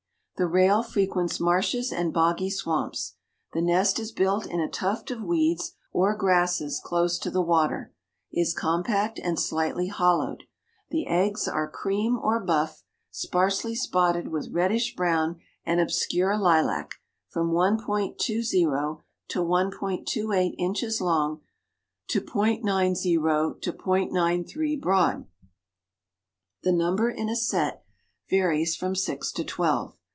The rail frequents marshes and boggy swamps. The nest is built in a tuft of weeds or grasses close to the water, is compact and slightly hollowed. The eggs are cream or buff, sparsely spotted with reddish brown and obscure lilac, from 1.20 to 1.28 inches long to .90 to .93 broad. The number in a set varies from six to twelve.